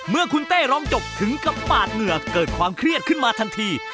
เมื่อคุณเต้ร้องจบถึงกับปาดเหงื่อเกิดความเครียดขึ้นมาทันที